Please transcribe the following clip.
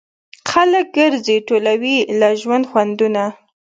خلک ګرځي ټولوي له ژوند خوندونه